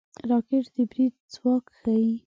راکټ د برید ځواک ښيي